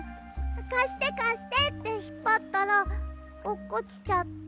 「かしてかして」ってひっぱったらおっこちちゃって。